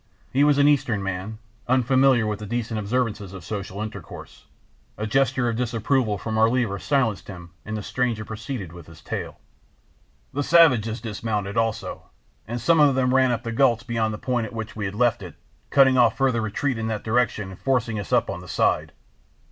He was an Eastern man, unfamiliar with the decent observances of social intercourse. A gesture of disapproval from our leader silenced him and the stranger proceeded with his tale: "The savages dismounted also, and some of them ran up the gulch beyond the point at which we had left it, cutting off further retreat in that direction and forcing us on up the side.